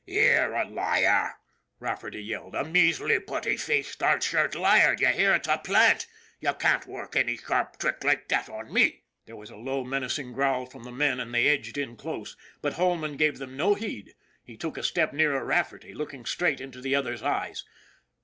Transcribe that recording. "You're a liar!" Rafferty yelled. "A measly, putty faced, starch shirted liar, d'ye hear? Ut's a plant! You can't work any sharp trick loike that on me!" 16 ON THE IRON AT BIG CLOUD There was a low, menacing growl from the men and they edged in close. But Holman gave them no heed ; he took a step nearer Rafferty, looking straight into the other's eyes.